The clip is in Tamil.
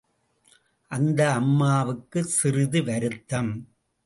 அந்த அம்மாவுக்கு சிறிது வருத்தம்.